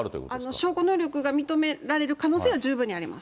証拠能力が認められる可能性は十分にあります。